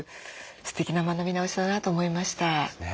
すてきな学び直しだなと思いました。